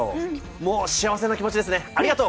もう幸せな気持ちですね、ありがとう！